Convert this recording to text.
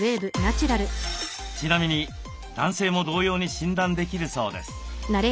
ちなみに男性も同様に診断できるそうです。